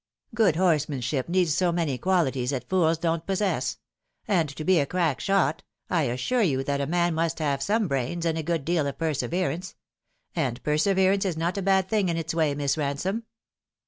Good horsemanship needs so many qualities that fools don't possess ; and to be a crack shot, I assure you that a man must have some brains and a good deal of perseverance ; and perseverance is not a bad thing in its way, Miss Bansome."